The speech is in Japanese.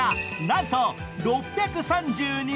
なんと６３２ｍ。